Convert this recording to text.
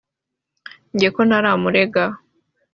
Njye ko ntaramurega